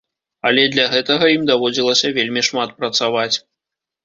Але для гэтага ім даводзілася вельмі шмат працаваць.